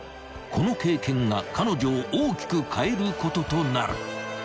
［この経験が彼女を大きく変えることとなる］